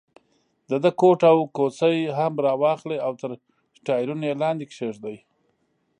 د ده کوټ او کوسۍ هم را واخلئ او تر ټایرونو یې لاندې کېږدئ.